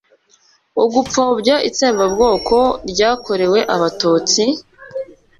ugupfobya itsembabwoko ryakorewe abatutsi?